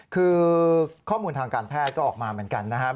คือข้อมูลทางการแพทย์ก็ออกมาเหมือนกันนะครับ